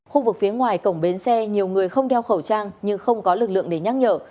khu vực phía ngoài cổng bến xe nhiều người không đeo khẩu trang nhưng không có lực lượng để nhắc nhở